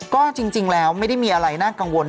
ก็จริงแล้วไม่ได้มีอะไรน่ากังวล